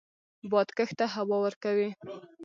باد کښت ته هوا ورکوي